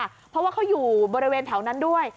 เพราะว่าเขาอยู่บริเวณแถวนั้นด้วย